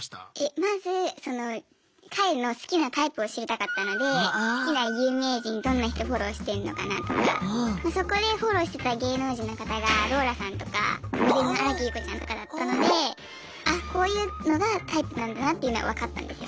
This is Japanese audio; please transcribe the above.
まず彼の好きなタイプを知りたかったので好きな有名人どんな人フォローしてんのかなとかそこでフォローしてた芸能人の方がローラさんとかモデルの新木優子ちゃんとかだったのであっこういうのがタイプなんだなっていうのは分かったんですよ。